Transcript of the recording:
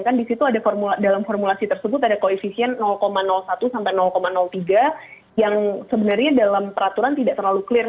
kan di situ ada dalam formulasi tersebut ada koefisien satu sampai tiga yang sebenarnya dalam peraturan tidak terlalu clear